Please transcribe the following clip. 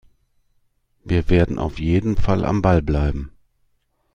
Wir werden auf jeden Fall am Ball bleiben.